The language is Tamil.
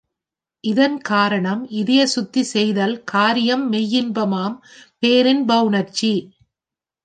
இதன் காரணம் இதய சுத்தி செய்தல் காரியம் மெய்யின்பமாம் பேரின் பவுணர்ச்சி.